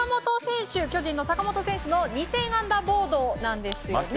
巨人の坂本選手の２０００安打ボードなんですけど。